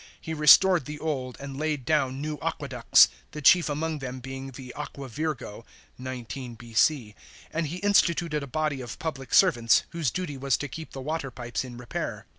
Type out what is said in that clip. He restored the old and laid down new aqueducts, the chief among them being the Aqua Virgo (19 B.C.); and he instituted a body of public servants, whose duty was to keep the water pipes in repair.